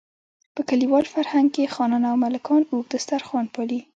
په کلیوال فرهنګ کې خانان او ملکان اوږد دسترخوان پالي.